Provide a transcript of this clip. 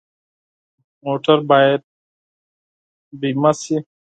موټر باید بیمه شي.